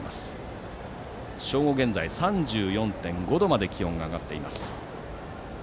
正午現在３４．５度まで気温が上がっています。